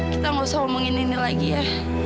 kita gak usah omongin ini lagi ya